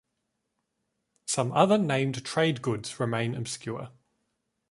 Some other named trade goods remain obscure.